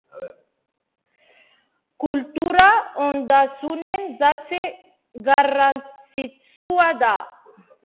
Kultura ondasunen zati garrantzitsua da.